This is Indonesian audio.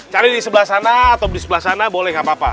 cari di sebelah sana atau di sebelah sana boleh nggak apa apa